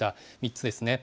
３つですね。